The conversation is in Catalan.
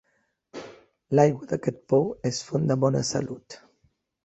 L'aigua d'aquest pou és font de bona salut.